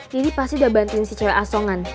jadi pasti udah bantuin si cewek asongan